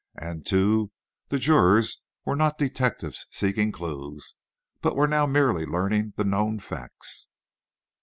And, too, the jurors were not detectives seeking clues, but were now merely learning the known facts.